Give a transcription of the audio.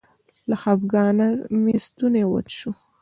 له خپګانه مې ستونی وچ شو.